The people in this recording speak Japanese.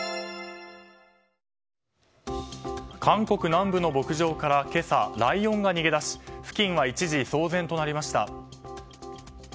韓国南部の牧場から今朝ライオンが逃げ出し付近は一時、騒然となりました。